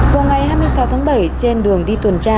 vào ngày hai mươi sáu tháng bảy trên đường đi tuần tra